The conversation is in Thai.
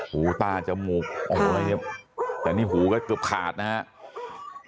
หูต้าจมูกโอ้ยแต่นี่หูก็เกือบขาดนะครับ